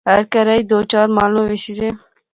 ہر کہرا اچ دو چار مال مویشی زے